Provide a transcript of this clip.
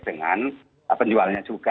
dengan penjualnya juga